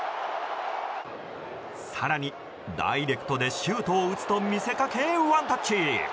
更にダイレクトでシュートを打つと見せかけワンタッチ！